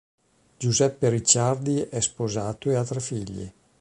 Giuseppe Ricciardi è sposato e ha tre figli.